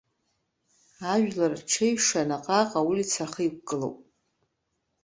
Ажәлар рҽеиҩша наҟ-ааҟ аулица ахы иқәгылоуп.